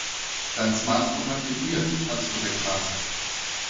Dein Smartphone hat vibriert, als du weg warst.